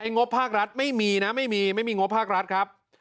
งบภาครัฐไม่มีนะไม่มีไม่มีงบภาครัฐครับ